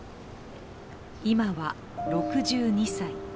今は６２歳。